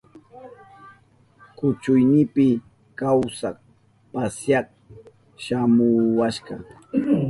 Kuchuynipi kawsak pasyak shamuwashka.